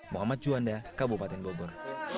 mohamad juanda kabupaten bogor